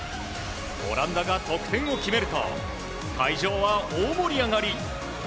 オランダが得点を決めると会場は大盛り上がり。